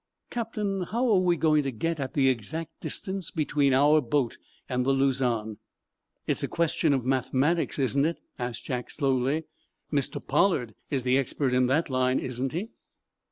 "Captain, how are we going to get at the exact distance between our boat and the 'Luzon'?" "It's a question of mathematics, isn't it?" asked Jack, slowly. "Mr. Pollard is the expert in that line, isn't he?"